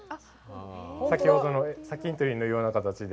先ほどの砂金採りのような形で。